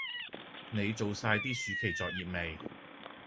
你做曬啲暑期作業未？